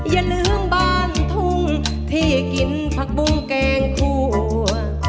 อย่าลืมบ้านทุ่งที่กินผักบุ้งแกงคั่ว